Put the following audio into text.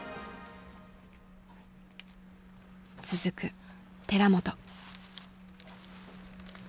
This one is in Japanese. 続く寺本。